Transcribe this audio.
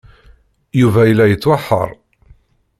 Yuba yella yettwaḥeṛṛ.